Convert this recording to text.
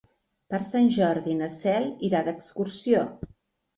Per Sant Jordi na Cel irà d'excursió.